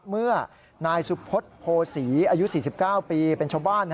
เมื่อนายสุพศโพศีอายุ๔๙ปีเป็นชาวบ้าน